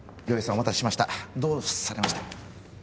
お待たせしましたどうされました